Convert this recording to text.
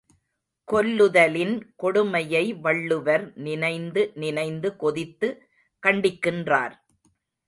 கொல்லுதலின் கொடுமையை வள்ளுவர் நினைந்து நினைந்து கொதித்து கண்டிக்கின்றார்.